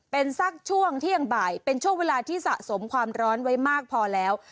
เป็นสักช่วงเที่ยงบ่ายเป็นช่วงเวลาที่สะสมความร้อนไว้มากพอแล้ว